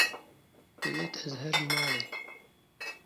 Divêt ez herim malê